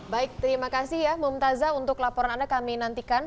baik terima kasih ya mumtazah untuk laporan anda kami nantikan